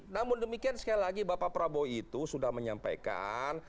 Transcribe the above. namun demikian sekali lagi bapak prabowo itu sudah menyampaikan